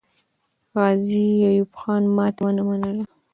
غازي ایوب خان ماتې ونه منله.